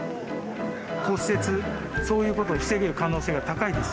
骨折そういうことを防げる可能性が高いです。